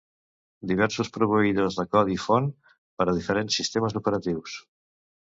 Diversos proveïdors de codi font per a diferents sistemes operatius.